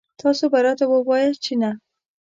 تاسو به راته وواياست چې نه.